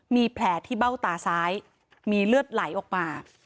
มีแผลที่เบ้าตาซ้ายมีเลือดไหลออกมา